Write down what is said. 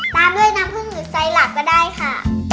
ตามด้วยน้ำผึ้งหรือไซหลักก็ได้ค่ะ